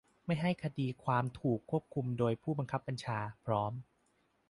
ไม่ให้คดีความถูกควบคุมโดยผู้บังคับบัญชา พร้อม